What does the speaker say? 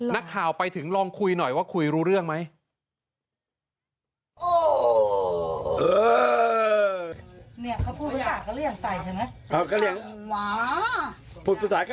นักข่าวไปถึงลองคุยหน่อยว่าคุยรู้เรื่องไหม